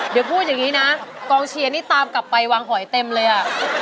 เดี๋ยวพูดอย่างนี้นะกองเชียร์นี่ตามกลับไปวางหอยเต็มเลยอ่ะ